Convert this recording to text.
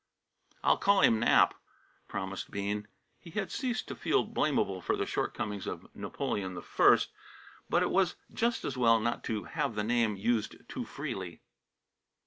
"I'll call him Nap," promised Bean. He had ceased to feel blamable for the shortcomings of Napoleon I, but it was just as well not to have the name used too freely.